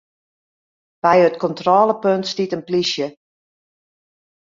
By it kontrôlepunt stiet in plysje.